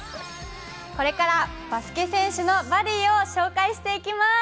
これからバスケ選手のバディを紹介していきます。